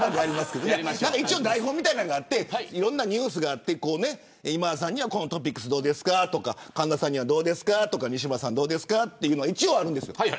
一応、台本みたいなのがあっていろんなニュースがあって今田さんにはこのトピックス、どうですかとか神田さん、西村さんどうですかというのがあるんです。